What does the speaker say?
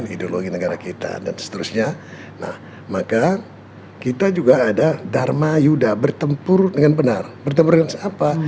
ideologi negara kita dan seterusnya nah maka kita juga ada dharma yuda bertempur dengan benar bertempur dengan siapa